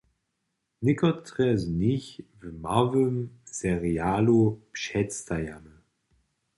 Někotre z nich w małym serialu předstajamy.